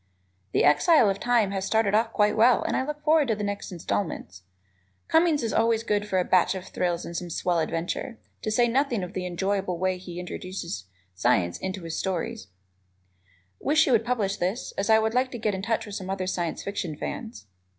"The Exile of Time" has started off quite well and I look forward to the next installments. Cummings is always good for a batch of thrills and some swell adventure, to say nothing of the enjoyable way he introduces science into the story. Wish you would publish this, as I would like to get in touch with some other Science Fiction fans.